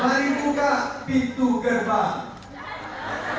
mari buka pintu gerbang